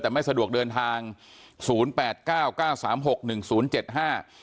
แต่ไม่สะดวกเดินทางศูนย์แปดเก้าเก้าสามหกหนึ่งศูนย์เจ็ดห้า